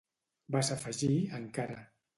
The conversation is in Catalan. —vas afegir, encara.